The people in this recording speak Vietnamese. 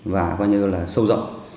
và sâu rộng